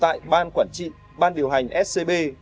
tại ban quản trị ban điều hành scb